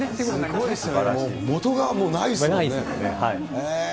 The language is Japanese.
すごいですね、元がもうないですものね。